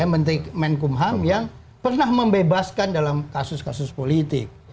menteri menkumham yang pernah membebaskan dalam kasus kasus politik